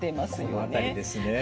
この辺りですね。